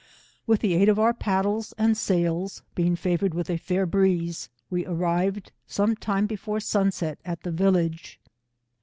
With the aid of our paddles and sails, being favoured with a fair breeze, we arrived some time before sun set at the village.